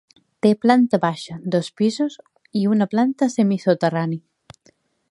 Té planta baixa, dos pisos i una planta semisoterrani.